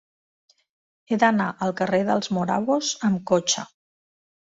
He d'anar al carrer dels Morabos amb cotxe.